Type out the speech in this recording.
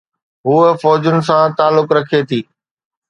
هوءَ فوجن سان تعلق رکي ٿي.